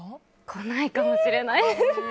こないかもしれないです。